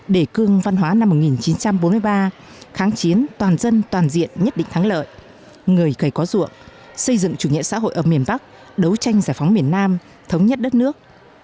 đề cương văn hóa năm một nghìn chín trăm bốn mươi ba kháng chiến toàn dân toàn diện nhất định thắng lợi người cầy có ruộng xây dựng chủ nghĩa xã hội ở miền bắc đấu tranh giải phóng miền nam thống nhất đất nước